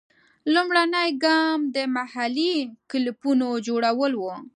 لومړنی ګام د محلي کلوپونو جوړول وو.